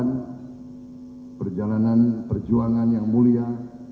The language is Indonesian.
dan juga perjalanan perjuangan yang mulia